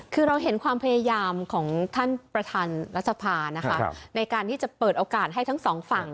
คือเราเห็นความพยายามของท่านประธานรัฐสภานะคะในการที่จะเปิดโอกาสให้ทั้งสองฝั่ง